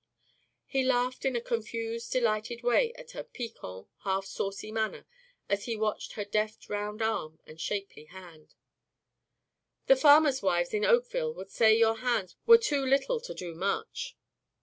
He laughed in a confused delighted way at her piquant, half saucy manner as he watched her deft round arm and shapely hand. "The farmers' wives in Oakville would say your hands were too little to do much."